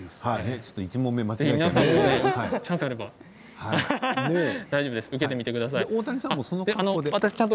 ちょっと１問目間違えちゃいましたけど。